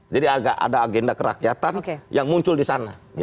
jadi ada agenda kerakyatan yang muncul di sana